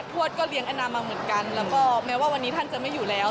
วดก็เลี้ยงแอนนามาเหมือนกันแล้วก็แม้ว่าวันนี้ท่านจะไม่อยู่แล้ว